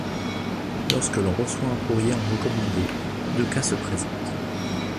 Lorsque l'on reçoit un courrier en recommandé, deux cas se présentent.